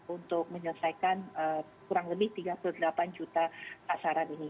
untuk menyelesaikan kurang lebih tiga puluh delapan juta pasaran ini